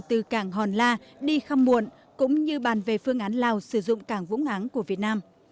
từ cảng hòn la đi khăm muộn cũng như bàn về phương án lào sử dụng cảng vũng áng của việt nam